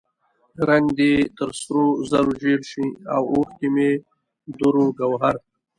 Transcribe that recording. رنګ دې تر سرو زرو زیړ شي او اوښکې مې دُر و ګوهر.